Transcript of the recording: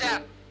eh apa zar